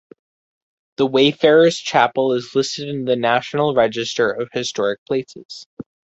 The Wayfarers Chapel is listed in the National Register of Historic Places.